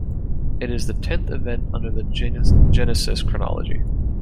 It is the tenth event under the Genesis chronology.